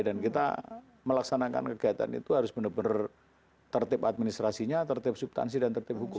dan kita melaksanakan kegiatan itu harus benar benar tertib administrasinya tertib subtansi dan tertib hukum